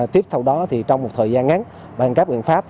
tiếp theo đó trong một thời gian ngắn bằng các biện pháp